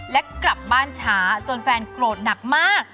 และกลับบ้านช้าจนแฟนโกรธหนักมาก